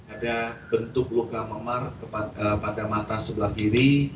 ada bentuk luka memar pada mata sebelah kiri